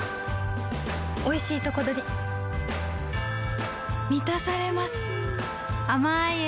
おいしいとこどりみたされます